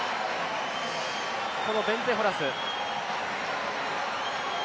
このベンツェ・ホラス。